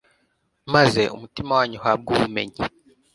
maze umutima wanyu uhabwe ubumenyi